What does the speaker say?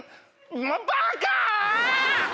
バカ！